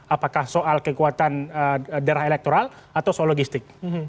apakah soal kekuatan darah elektoral atau soal logistik